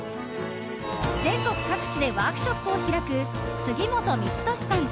全国各地でワークショップを開く杉本光俊さん。